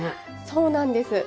そうなんです。